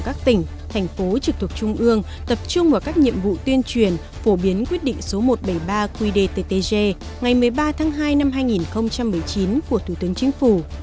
các tỉnh thành phố trực thuộc trung ương tập trung vào các nhiệm vụ tuyên truyền phổ biến quyết định số một trăm bảy mươi ba qdttg ngày một mươi ba tháng hai năm hai nghìn một mươi chín của thủ tướng chính phủ